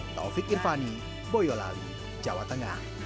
taufik irvani boyolali jawa tengah